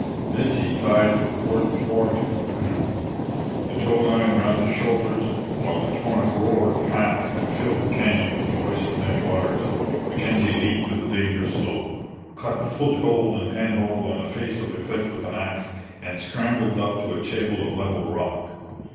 This he tied to the port thwart of the canoe. With the tow line round his shoulders, while the torrent roared past and filled the canyon with the 'voice of many waters,' Mackenzie leaped to the dangerous slope, cut foothold and handhold on the face of the cliff with an axe, and scrambled up to a table of level rock.